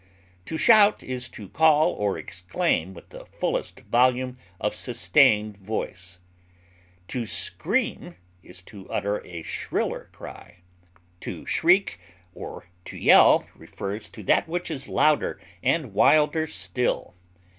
To shout is to call or exclaim with the fullest volume of sustained voice; to scream is to utter a shriller cry; to shriek or to yell refers to that which is louder and wilder still.